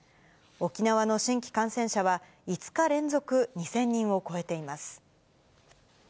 沖縄の新規感染者は５日連続２０００人を超えています。